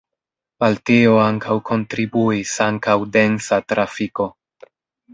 Al tio ankaŭ kontribuis ankaŭ densa trafiko.